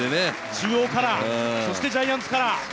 中央カラー、そしてジャイアンツカラー。